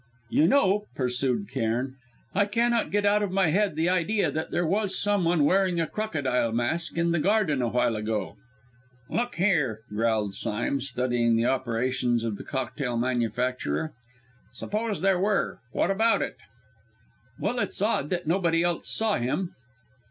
"You know," pursued Cairn, "I cannot get out of my head the idea that there was someone wearing a crocodile mask in the garden a while ago." "Look here," growled Sime, studying the operations of the cocktail manufacturer, "suppose there were what about it?" "Well, it's odd that nobody else saw him."